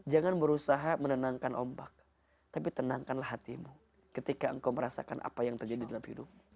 jangan berusaha menenangkan ombak tapi tenangkanlah hatimu ketika engkau merasakan apa yang terjadi dalam hidupmu